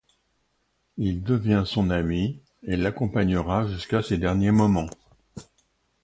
Il devient son ami et l'accompagnera jusqu'à ses derniers moments.